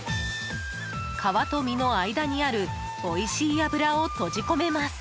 皮と身の間にあるおいしい脂を閉じ込めます。